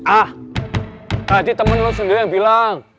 ah tadi temen lo sendiri yang bilang